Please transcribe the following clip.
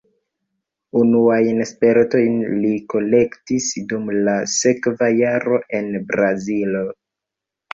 Unuajn spertojn li kolektis dum la sekva jaro en Brazilo.